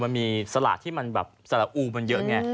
มันมีสลากที่มันแบบสละอูมันเยอะไง